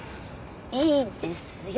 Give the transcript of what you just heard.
いいですよ